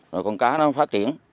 rồi con cá nó phát triển